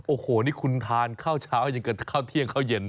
โอ้โหนี่คุณทานข้าวเช้าอย่างกับข้าวเที่ยงเข้าเย็น